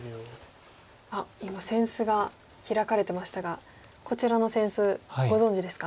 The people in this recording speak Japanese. あっ今扇子が開かれてましたがこちらの扇子ご存じですか？